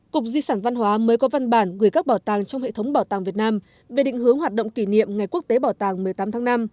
cục di sản văn hóa mới có văn bản gửi các bảo tàng trong hệ thống bảo tàng việt nam về định hướng hoạt động kỷ niệm ngày quốc tế bảo tàng một mươi tám tháng năm